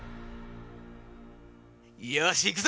よし行くぞ！